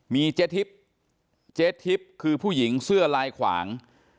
มีเจทิปเจทิปคือผู้หญิงเสื้อลายขวาง